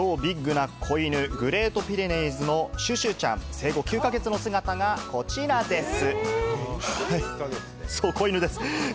超ＢＩＧな子犬、グレートピレニーズのシュシュちゃん、生後９か月の姿がこちらです。